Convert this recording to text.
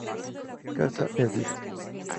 Casa Edit.